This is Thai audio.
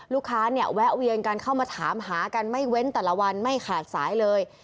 ลูกค้าเนี่ยแวะเวียนกันเข้ามาถามหากันไม่เว้นแต่ละวันไม่ขาดสายเลย